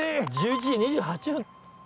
１１時２８分。